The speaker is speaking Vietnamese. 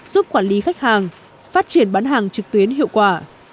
giúp quản lý khách hàng phát triển bán hàng trực tuyến hiệu quả